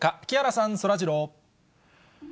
木原さん、そらジロー。